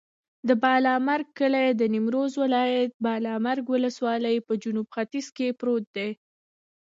د بالامرګ کلی د نیمروز ولایت، بالامرګ ولسوالي په جنوب ختیځ کې پروت دی.